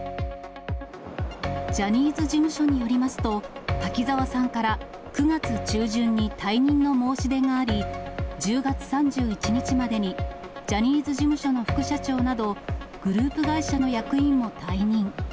ジャニーズ事務所によりますと、滝沢さんから９月中旬に退任の申し出があり、１０月３１日までにジャニーズ事務所の副社長など、グループ会社の役員も退任。